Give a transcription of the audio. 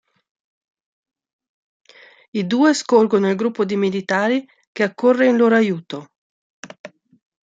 I due scorgono il gruppo di militari, che accorre in loro aiuto.